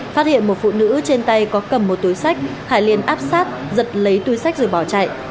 phát hiện một phụ nữ trên tay có cầm một túi sách hải liên áp sát giật lấy túi sách rồi bỏ chạy